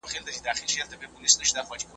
په کومو صورتونو کي انسان له ژوند څخه محرومیږي؟